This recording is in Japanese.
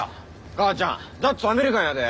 母ちゃんザッツアメリカンやで。